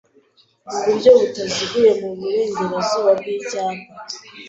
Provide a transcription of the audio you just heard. mu buryo butaziguye mu Burengerazuba bw'Icyapa